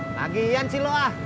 lagian sih lo ah